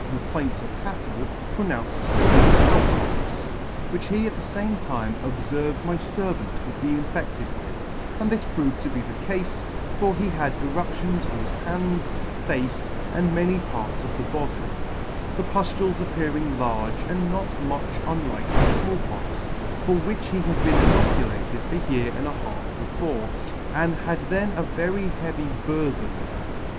of [ 94 ] of cattle) pronounced to be the Cow Pox, which he at the fame time obferved my fervant would be infedted with : and this proved to be the cafe ; for he had eruptions on his hands, face, and many parts of the body, the pud: ales appearing large, and not much unlike the Small Pox, for which he had been inocu lated a year and a half before, and had then a very heavy bur then.